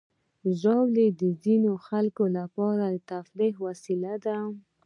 ژاوله د ځینو خلکو لپاره تفریحي وسیله ده.